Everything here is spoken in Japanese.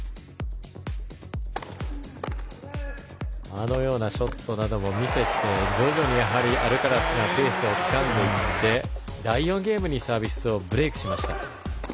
あのようなショットなども見せて徐々にアルカラスがペースをつかんでいって第４ゲームにサービスをブレークしました。